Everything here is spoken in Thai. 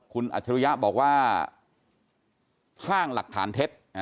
คุณอัจฉริยะบอกว่าสร้างหลักฐานเท็จ